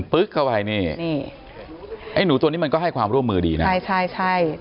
ปึ๊กเข้าไปนี่หนูตัวนี้มันก็ให้ความร่วมมือดีนะใช่